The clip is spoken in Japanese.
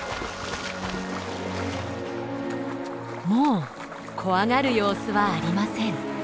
もう怖がる様子はありません。